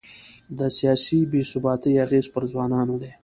د سیاسي بې ثباتۍ اغېز پر ځوانانو دی.